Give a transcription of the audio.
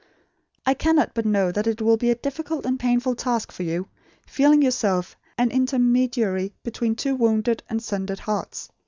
I cannot but know that it will be a difficult and painful task for you, feeling yourself an intermediary between two wounded and sundered hearts.